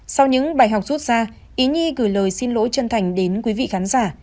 sau những bài học rút ra ý nhi gửi lời xin lỗi chân thành đến quý vị khán giả